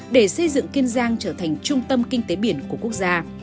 để xây dựng kiên giang trở thành trung tâm kinh tế biển của quốc gia